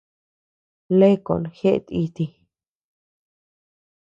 Leeko jeʼet iti.